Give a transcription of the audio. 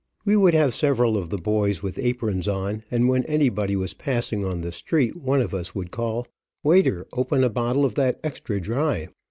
We would have several of the boys with aprons on, and when anybody was passing on the street, one of us would call, "Waiter open a bottle of that extra dry."